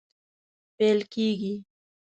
پیل کیږي